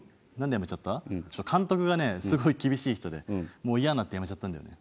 ちょっと監督がねすごい厳しい人でもうイヤになって辞めちゃったんだよね。